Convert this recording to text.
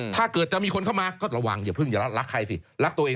ถ้าเกิดจะมีคนเข้ามาก็ระวังอย่าเพิ่งอย่ารักใครสิรักตัวเอง